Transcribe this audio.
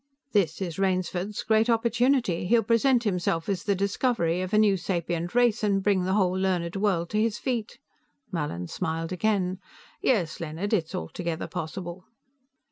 This is Rainsford's great opportunity; he will present himself as the discoverer of a new sapient race and bring the whole learned world to his feet." Mallin smiled again. "Yes, Leonard, it is altogether possible."